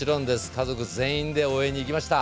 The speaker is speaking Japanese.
家族全員で応援に行きました。